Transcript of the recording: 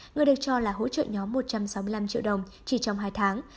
người được cho là hỗ trợ nhóm một trăm sáu mươi năm triệu đồng chỉ trong hai tháng